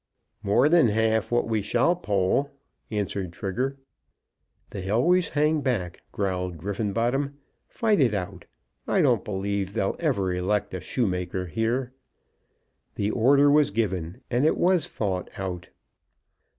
"More than half what we shall poll," answered Trigger. "They always hang back," growled Griffenbottom. "Fight it out. I don't believe they'll ever elect a shoemaker here." The order was given, and it was fought out.